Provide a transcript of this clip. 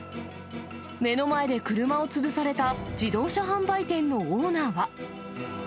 目の前で車を潰された自動車販売店のオーナーは。